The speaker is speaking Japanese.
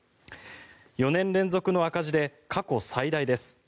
４年連続の赤字で過去最大です。